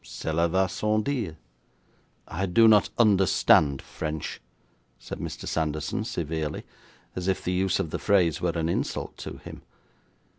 'Cela va sans dire.' 'I do not understand French,' said Mr. Sanderson severely, as if the use of the phrase were an insult to him.